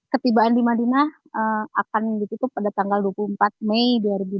ketibaan di madinah akan ditutup pada tanggal dua puluh empat mei dua ribu dua puluh